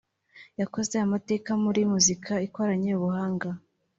yakoze amateka muri muzika ikoranye ubuhanga